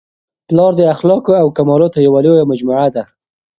پلار د اخلاقو او کمالاتو یوه لویه مجموعه ده.